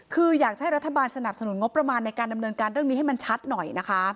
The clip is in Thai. คืออยากให้รัฐบาลสนับสนุนงบประมาณในการดำเนินการเรื่องนี้ให้มันชัดหน่อยนะคะ